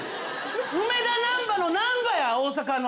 梅田難波のなんばや大阪の！